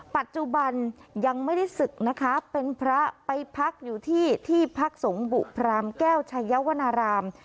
ปัจจุบันยังไม่ได้ศึกนะคะเป็นพระไปพักอยู่ที่ที่พักสงฆ์บุพรามแก้วชัยวนาราม